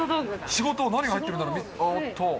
仕事、何入ってるんだろう。